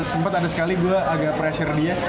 sempat ada sekali gue agak pressure dia